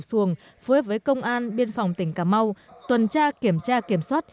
xuồng phối hợp với công an biên phòng tỉnh cà mau tuần tra kiểm tra kiểm soát